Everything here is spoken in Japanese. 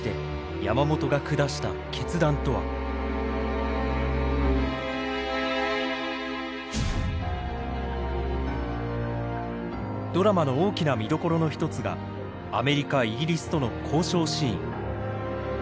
果たしてドラマの大きな見どころの一つがアメリカイギリスとの交渉シーン。